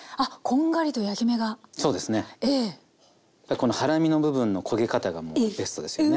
この腹身の部分の焦げ方がもうベストですよね。